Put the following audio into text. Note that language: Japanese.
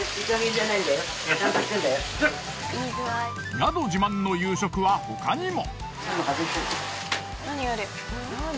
宿自慢の夕食は他にも。